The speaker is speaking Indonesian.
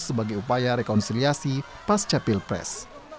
sebagai upaya rekonsiliasi pas capil pres